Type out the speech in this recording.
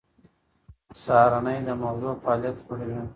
سهارنۍ د مغزو فعالیت لوړوي.